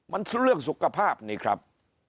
มันเรื่องสุขภาพนี่ครับ